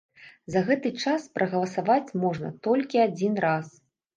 За гэты час прагаласаваць можна толькі адзін раз!